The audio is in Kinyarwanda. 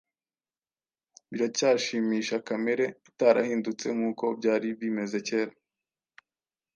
biracyashimisha kamere itarahindutse. Nk’uko byari bimeze kera